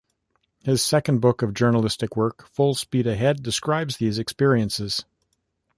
His second book of journalistic work, "Full Speed Ahead", described these experiences.